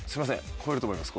超えると思います